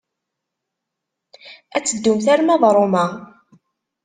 Ad teddumt arma d Roma.